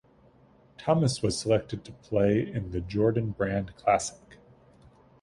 Thomas was selected to play in the Jordan Brand Classic.